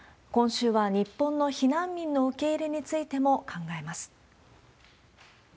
今週は日本の避難民の受け入れについても考えます。